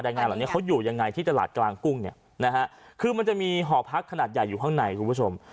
งานเหล่านี้เขาอยู่ยังไงที่ตลาดกลางกุ้งเนี่ยนะฮะคือมันจะมีหอพักขนาดใหญ่อยู่ข้างในคุณผู้ชม